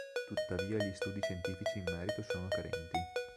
Tuttavia gli studi scientifici in merito sono carenti.